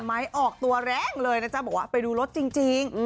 ออกตัวแรงเลยนะจ๊ะบอกว่าไปดูรถจริง